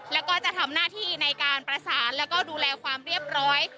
แล้วก็จะทำหน้าที่ในการประสานแล้วก็ดูแลความเรียบร้อย